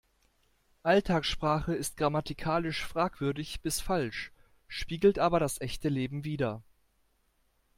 Alltagssprache ist grammatikalisch fragwürdig bis falsch, spiegelt aber das echte Leben wider.